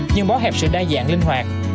nhưng bó hẹp sự đa dạng linh hoạt